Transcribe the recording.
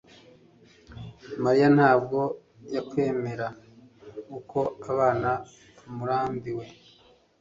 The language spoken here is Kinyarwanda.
Mariya ntabwo yakwemera uko abana bamurambiwe